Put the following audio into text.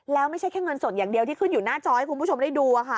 แล้วไม่ใช่แค่เงินสดอย่างเดียวที่ขึ้นอยู่หน้าจอให้คุณผู้ชมได้ดู